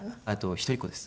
一人っ子です。